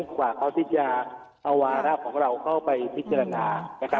ก่อนเราไปพิจารณา